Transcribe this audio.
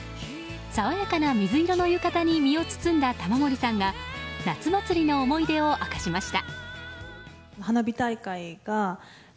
爽やかな水色の浴衣に身を包んだ玉森さんが夏祭りの思い出を明かしました。